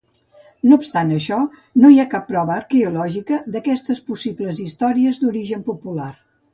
No obstant això, no hi ha cap prova arqueològica d'aquestes possibles històries d'origen popular.